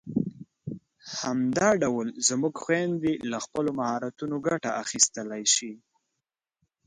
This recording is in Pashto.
همدا ډول زموږ خويندې له خپلو مهارتونو ګټه اخیستلای شي.